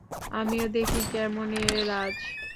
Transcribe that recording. আমিও দেখি কেমন এ রাজ।